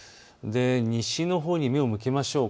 西のほうに目を向けましょう。